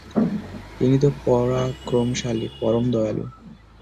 তিনি তো পরাক্রমশালী, পরম দয়ালু।